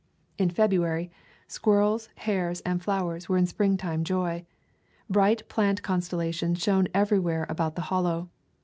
In February, squirrels, hares, and flowers were in springtime joy. Bright plant constellations shone everywhere about the Hollow.